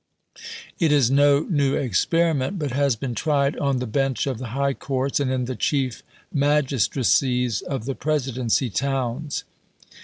It is no new experiment, but has been tried on the Bench of the High Courts and in the Chief Magistracies of the Presidency towns."